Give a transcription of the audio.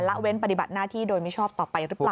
ละเว้นปฏิบัติหน้าที่โดยมิชอบต่อไปหรือเปล่า